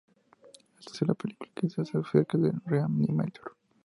Es la tercera película que se hace acerca de re-animator.